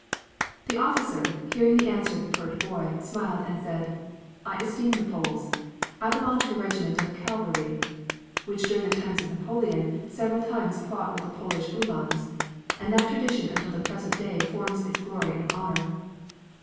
The officer, hearing the answer of the pert boy, smiled and said: "I esteem the Poles. I belong to a regiment of cavalry, which during the times of Napoleon several times fought with the Polish Uhlans, and that tradition until the present day forms its glory and honor."